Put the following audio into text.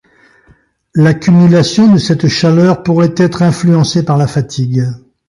L'accumulation de cette chaleur pourrait être influencée par la fatigue.